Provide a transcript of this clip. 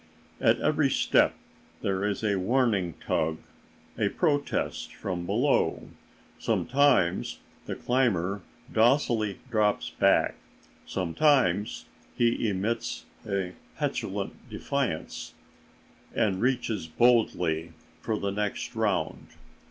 At every step there is a warning tug, a protest from below. Sometimes the climber docilely drops back; sometimes he emits a petulant defiance and reaches boldly for the next round.